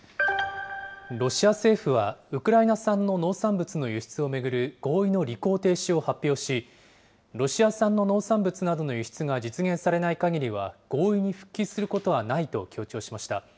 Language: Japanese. ロシア政府はウクライナ産の農産物の輸出を巡る合意の履行停止を発表し、ロシア産の農産物などの輸出が実現されないかぎりは合意に復帰することはないと強調しました。